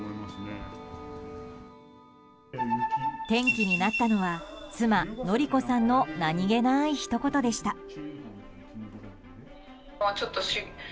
転機になったのは妻・典子さんの何気ないひと言でした。